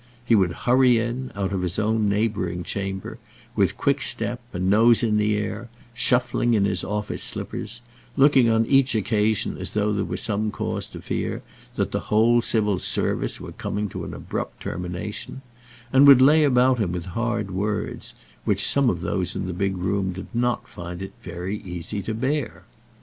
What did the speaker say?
He would hurry in, out of his own neighbouring chamber, with quick step and nose in the air, shuffling in his office slippers, looking on each occasion as though there were some cause to fear that the whole Civil Service were coming to an abrupt termination, and would lay about him with hard words, which some of those in the big room did not find it very easy to bear.